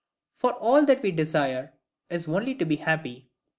For all that we desire, is only to be happy.